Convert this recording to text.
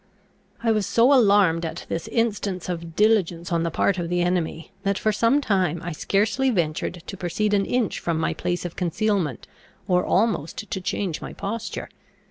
I was so alarmed at this instance of diligence on the part of the enemy, that, for some time, I scarcely ventured to proceed an inch from my place of concealment, or almost to change my posture.